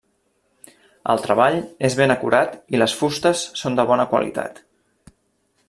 El treball és ben acurat i les fustes són de bona qualitat.